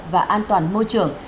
và an toàn môi trường